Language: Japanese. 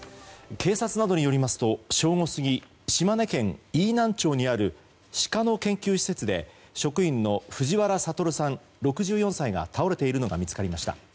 警察などによりますと正午過ぎ、島根県飯南町にあるシカの研究施設で職員の藤原悟さん、６４歳が倒れているのが見つかりました。